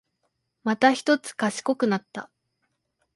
またひとつ賢くなった